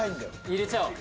入れちゃおう